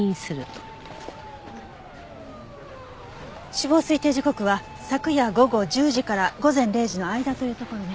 死亡推定時刻は昨夜午後１０時から午前０時の間というところね。